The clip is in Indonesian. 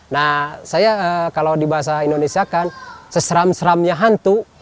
nah saya kalau di bahasa indonesia kan seseram seramnya hantu